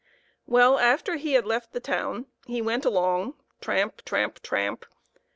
Well, after he had left the town, he went along, tramp ! tramp ! tramp !